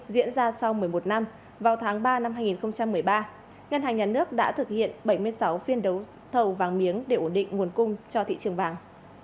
diễn ra sau một mươi một năm vào tháng ba năm hai nghìn một mươi ba ngân hàng nhà nước đã thực hiện bảy mươi sáu phiên đấu thầu vàng miếng để ổn định nguồn cung cho thị trường vàng